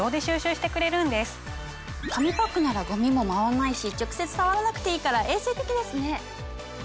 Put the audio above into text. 紙パックならゴミも舞わないし直接触らなくていいから衛生的ですね。